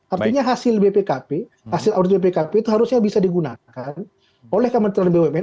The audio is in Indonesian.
artinya hasil bpkp hasil audit bpkp itu harusnya bisa digunakan oleh kementerian bumn